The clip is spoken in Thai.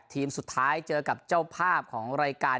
ทีมสุดท้ายเจอกับเจ้าภาพของรายการ